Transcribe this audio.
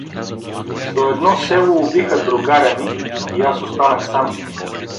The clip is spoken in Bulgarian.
До едно село убиха другаря ми и аз останах сам.